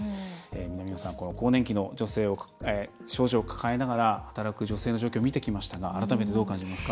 南野さん、更年期の症状を抱えながら働く女性の状況を見てきましたが改めて、どう感じますか。